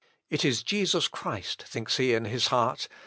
"It is Jesus Christ," thinks he in his heart.